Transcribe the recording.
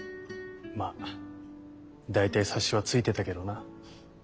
まっ大体察しはついてたけどな。